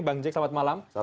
bang jack selamat malam